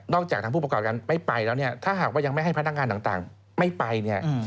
นอกจากทางผู้ประกอบการไม่ไปแล้วถ้าหากว่ายังไม่ให้พนักงานต่างไม่ไป